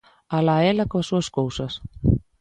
Alá ela coas súas cousas